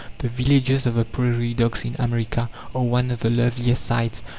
The villages of the prairie dogs in America are one of the loveliest sights.